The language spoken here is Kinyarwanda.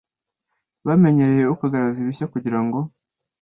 bamenyereye, ukagaraza ibishya kugira ngo